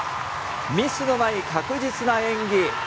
ミスのない確実な演技。